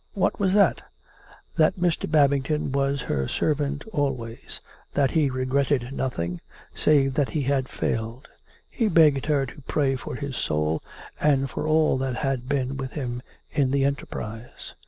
"What was that?" "... That Mr. Babington was her servant always ; that he regretted nothing, save that he had failed. He begged her to pray for his soul, and for all that had been with him in the enterprise."